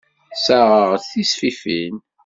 Ssaɣeɣ-d tisfifin.